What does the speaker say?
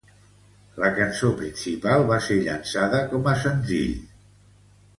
La cançó principal va ser llançada com a senzill.